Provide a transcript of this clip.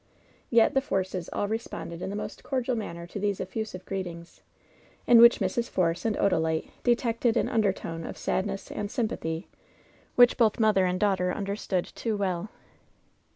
Yet the forces all responded in the most cordial man ner to these effusive greetings, in which Mrs, Force and Odalite detected an undertone of sadness and sympathy which both mother and daughter understood too well.